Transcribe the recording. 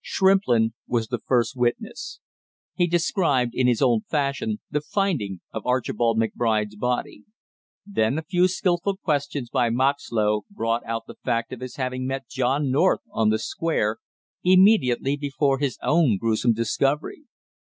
Shrimplin was the first witness. He described in his own fashion the finding of Archibald McBride's body. Then a few skilful questions by Moxlow brought out the fact of his having met John North on the Square immediately before his own gruesome discovery.